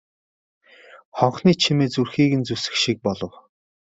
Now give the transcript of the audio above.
Хонхны чимээ зүрхийг нь зүсэх шиг болов.